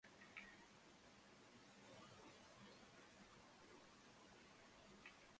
Él se siente culpable hacia Eun-hye, porque comienza a tener sentimientos por Hye-won.